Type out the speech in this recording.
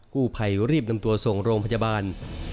กู้ภัยรีบนำตัวส่งโรงพยาบาล